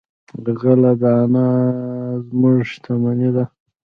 غله دانه زموږ شتمني ده.